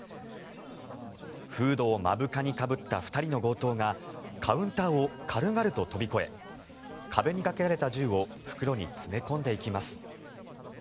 フードを目深にかぶった２人の強盗がカウンターを軽々と飛び越え壁にかけられた銃を袋に詰め込んでいきます。